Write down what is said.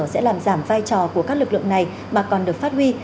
sẽ làm giảm vai trò của các lực lượng này mà còn được phát huy